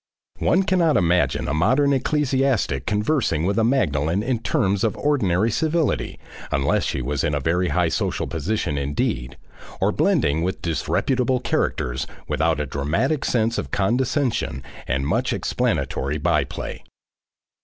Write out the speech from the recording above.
One cannot imagine a modern ecclesiastic conversing with a Magdalen in terms of ordinary civility, unless she was in a very high social position indeed, or blending with disreputable characters without a dramatic sense of condescension and much explanatory by play.